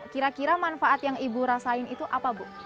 kira kira manfaat yang ibu rasain itu apa bu